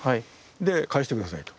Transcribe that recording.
で「返して下さい」と。